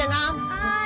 はい。